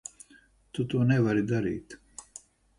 Tu to nevari darīt.